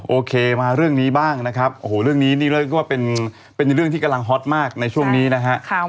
โอเคมาเรื่องนี้บ้างนะครับโอ้โหเรื่องนี้นี่เรียกว่าเป็นเรื่องที่กำลังฮอตมากในช่วงนี้นะฮะ